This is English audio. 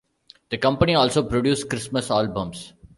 The company also produced Christmas albums.